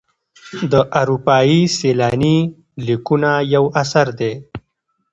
د اروپایي سیلاني لیکونه یو اثر دی.